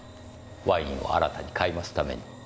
ワインを新たに買い増すために。